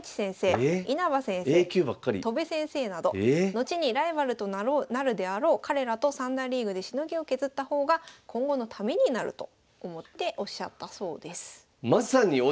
後にライバルとなるであろう彼らと三段リーグでしのぎを削った方が今後のためになると思っておっしゃったそうです。